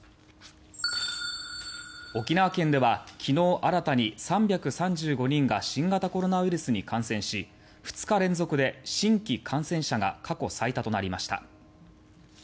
沖縄県では昨日新たに３３５人が新型コロナウイルスに感染し２日連続で新規感染者が過去最多となりました。